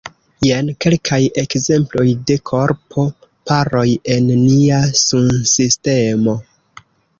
Jen kelkaj ekzemploj de korpo-paroj en nia sunsistemo.